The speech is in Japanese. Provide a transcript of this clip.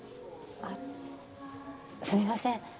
あっすみません